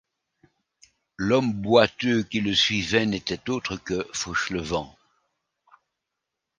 L’homme boiteux qui le suivait n’était autre que Fauchelevent.